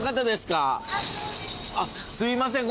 すいません